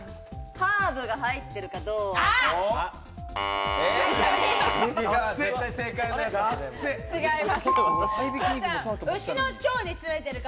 ハーブが入ってるかどうか。